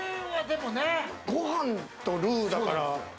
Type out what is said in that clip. でも、ご飯とルーだから。